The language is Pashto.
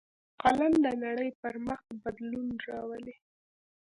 قلم د نړۍ پر مخ بدلون راولي